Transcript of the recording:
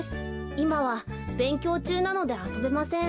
いまはべんきょうちゅうなのであそべません。